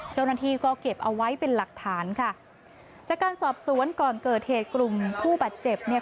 เจ้าหน้าที่ก็เก็บเอาไว้เป็นหลักฐานค่ะจากการสอบสวนก่อนเกิดเหตุกลุ่มผู้บาดเจ็บเนี่ย